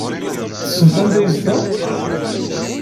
Tessneḍ anda ay yezdeɣ?